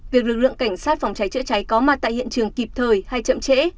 việc lực lượng cảnh sát phòng cháy chữa cháy có mặt tại hiện trường kịp thời hay chậm trễ